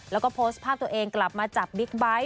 แล้วก็โพสต์ภาพตัวเองกลับมาจับบิ๊กไบท์